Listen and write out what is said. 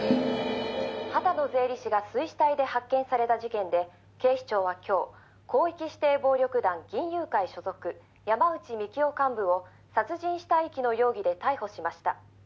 「秦野税理士が水死体で発見された事件で警視庁は今日広域指定暴力団銀雄会所属山内幹夫幹部を殺人死体遺棄の容疑で逮捕しました。